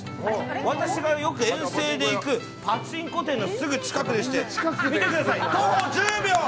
私がよく遠征で行くパチンコ店のすぐ近くでして見てください、徒歩１０秒！